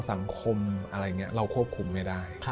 สังคมอะไรอย่างนี้เราควบคุมไม่ได้